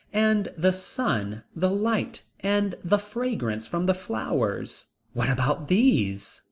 And the sun, the light, and the fragrance from the flowers, what about these?